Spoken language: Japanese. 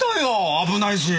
危ないし。